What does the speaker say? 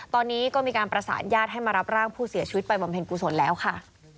ตอนนี้ก็มีการประสานญาติให้มารับร่างผู้เสียชีวิตไปบำเพ็ญกุศลแล้วค่ะ